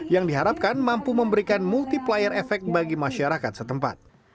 yang diharapkan mampu memberikan multiplier efek bagi masyarakat setempat